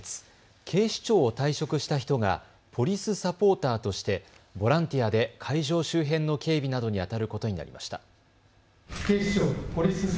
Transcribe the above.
警視庁を退職した人がポリスサポーターとしてボランティアで会場周辺の警備などにあたることになりました。